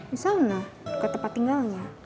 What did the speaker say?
misalnya ke tempat tinggalnya